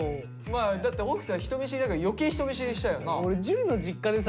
まあだって北斗人見知りだから余計人見知りしちゃうよな。